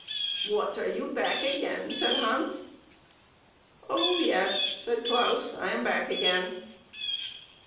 " What ! are you back again ?" said Hans. " Oh yes," said Claus, " I am back again."